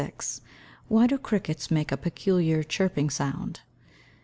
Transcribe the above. _Why do crickets make a peculiar chirping sound?